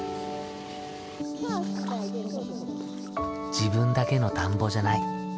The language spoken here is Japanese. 自分だけの田んぼじゃない。